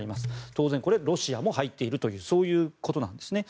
当然これはロシアも入っているというそういうことなんですね。